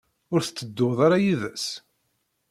Ur tettedduḍ ara yid-s?